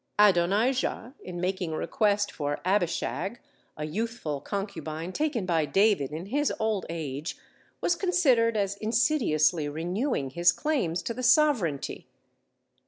Adonijah, in making request for Abishag, a youthful concubine taken by David in his old age, was considered as insidiously renewing his claims to the sovereignty.